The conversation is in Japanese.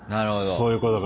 そういうことか。